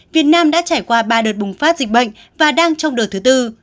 việt nam đã trải qua ba đợt bùng phát dịch bệnh và đang trong đợt thứ tư